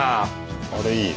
あれいいね。